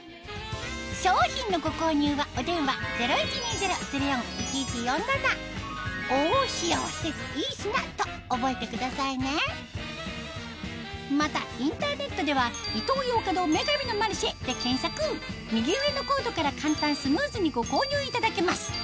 商品のご購入はお電話０１２０−０４−１１４７と覚えてくださいねまたインターネットでは右上のコードから簡単スムーズにご購入いただけます